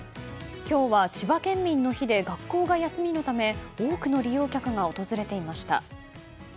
今日は千葉県民の日で学校が休みのため多くの利用客が訪れていました。